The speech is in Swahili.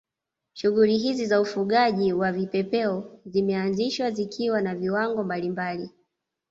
Shughuli hizi za ufugaji wa vipepeo zimeanzishwa zikiwa na viwango mbalimbali